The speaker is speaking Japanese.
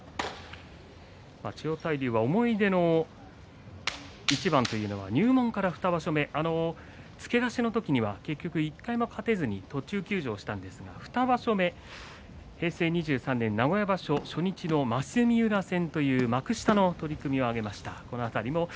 千代大龍は思い出の一番というのは入門から２場所目付け出しのころには結局１回も勝てず途中休場しましたが２場所目平成２３年名古屋場所初日の増三浦戦、幕下の取組を挙げました。